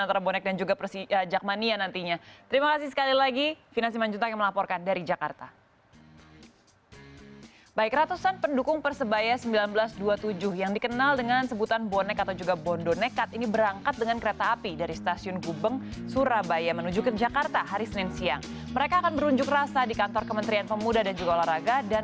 terima kasih banyak bonek dan juga jack mania nantinya